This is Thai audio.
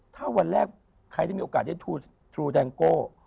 ถ้าวันแรกใครได้มีโอกาสได้ทรูแดงโก้